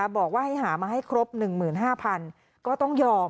บอกว่าให้หามาให้ครบ๑๕๐๐๐ก็ต้องยอม